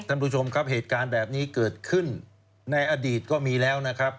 ท่านผู้ชมครับเหตุการณ์แบบนี้เกิดขึ้นในอดีตก็มีแล้วนะครับ